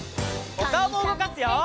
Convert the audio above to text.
おかおもうごかすよ！